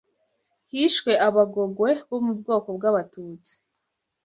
hishwe Abagogwe bo mu bwoko bw’Abatutsi